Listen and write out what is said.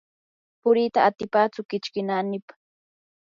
puriita atipachu kichki naanipa.